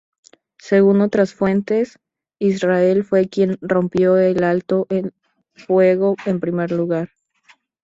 Según otras fuentes, Israel fue quien rompió el alto el fuego en primer lugar.